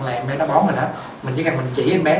là em bé nó bóng rồi đó mình chỉ cần mình chỉ em bé